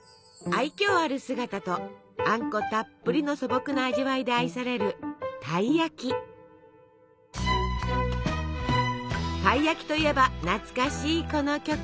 愛きょうある姿とあんこたっぷりの素朴な味わいで愛されるたい焼きといえば懐かしいこの曲。